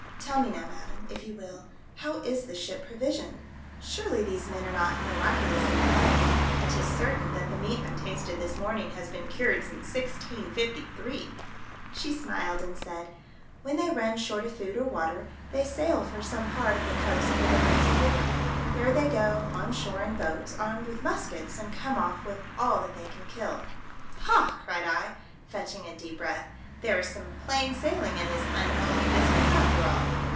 Tell me now, madam, if you will, how is this ship provisioned ? Surely these men are not miraculously fed ; and 'tis certain that the meat I tasted this mornino has been cured since 1653 !" She smiled and said, " When they run short of food or water they sail for some part of the coast where there is a river. There they go on shore in boats, armed with muskets, and come off with all that they can kill." Ha !" cried I, fetching a deep breath, " there is some plain sailing in this un holy business after all.